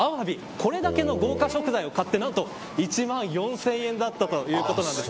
これだけの豪華食材を買って何と１万４０００円だったということなんです。